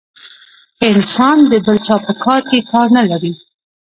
ښه انسان د بل چا په کار کي کار نلري .